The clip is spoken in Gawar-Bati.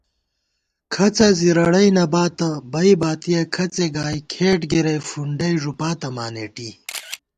کھڅہ زِرَڑَئی نہ باتہ بئ باتِیَہ کھڅےگائی، کھېٹ گِرَئی فُنڈئی ݫُپاتہ مانېٹی